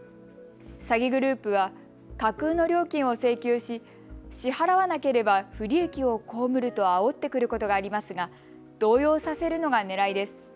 詐欺グループは架空の料金を請求し、支払わなければ不利益を被るとあおってくることがありますが動揺させるのがねらいです。